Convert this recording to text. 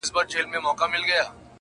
د وزر او د لکۍ په ننداره سو!.